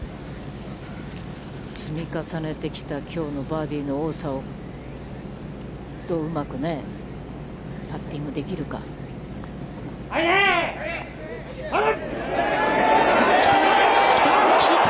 積み重ねてきたきょうのバーディーの多さを、どう、うまくね、パッティングできるか。来た！！